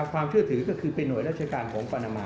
ความเชื่อถือก็คือเป็นห่วยราชการของปานามา